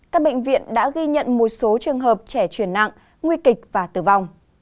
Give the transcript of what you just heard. các bệnh viện đã ghi nhận một số trường hợp trẻ chuyển nặng nguy kịch và tử vong